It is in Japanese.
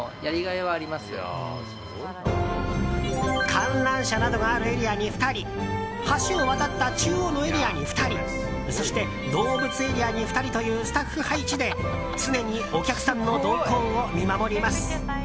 観覧車などがあるエリアに２人橋を渡った中央のエリアに２人そして、動物エリアに２人というスタッフ配置で常にお客さんの動向を見守ります。